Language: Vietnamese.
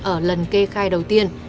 ở lần kê khai đầu tiên